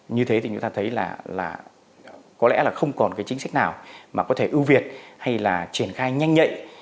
như thế thì chúng ta thấy là có lẽ là không còn cái chính sách nào mà có thể ưu việt hay là triển khai nhanh nhạy